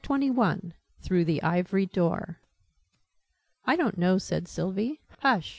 CHAPTER 21. THROUGH THE IVORY DOOR. "I don't know," said Sylvie. "Hush!